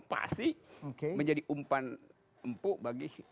pasti menjadi umpan empuk bagi